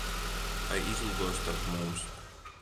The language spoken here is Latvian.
Lai izlido starp mums.